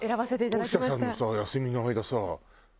大下さんの休みの間さ。